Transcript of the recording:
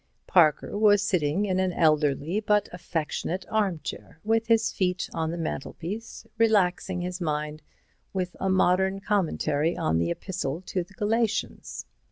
Parker was sitting in an elderly but affectionate armchair, with his feet on the mantelpiece, relaxing his mind with a modern commentary on the Epistle to the Galatians.